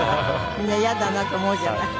みんな嫌だなと思うじゃない。